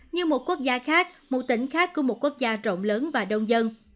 như một quốc gia khác một tỉnh khác của một quốc gia rộng lớn và đông dân